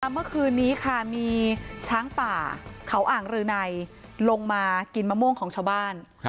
เมื่อคืนนี้ค่ะมีช้างป่าเขาอ่างรืนัยลงมากินมะม่วงของชาวบ้าน